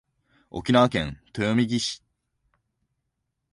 沖縄県豊見城市